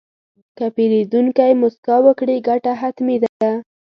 که پیرودونکی موسکا وکړي، ګټه حتمي ده.